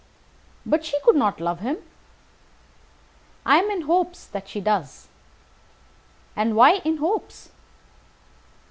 "But she could not love him." "I am in hopes that she does." "And why in hopes?"